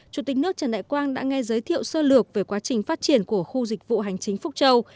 chủ tịch nước trần đại quang đã nghe giới thiệu sơ lược về quá trình phát triển của khu dịch vụ hành chính phúc châu